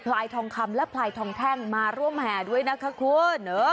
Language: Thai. ลายทองคำและพลายทองแท่งมาร่วมแห่ด้วยนะคะคุณ